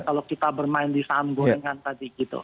kalau kita bermain di saham gorengan tadi gitu